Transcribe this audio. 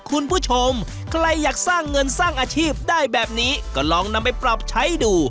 คุณผู้ชมใครอยากสร้างเงินสร้างอาชีพได้แบบนี้ก็ลองนำไปปรับใช้ดู